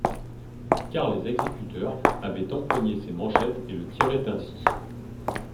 Car les exécuteurs avaient empoigné ses manchettes et le tiraient ainsi.